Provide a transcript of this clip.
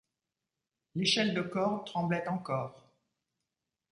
L’échelle de corde tremblait encore.